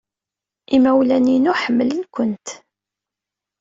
Imawlan-inu ḥemmlen-kent.